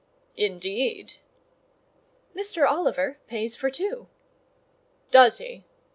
"Indeed!" "Mr. Oliver pays for two." "Does he?"